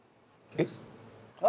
えっ？